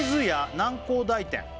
南光台店